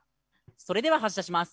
それでは発射します。